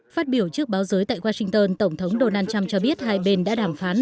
phát biểu trước báo giới tại washington tổng thống donald trump cho biết hai bên đã đàm phán